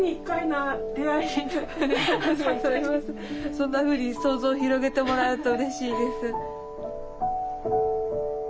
そんなふうに想像を広げてもらうとうれしいです。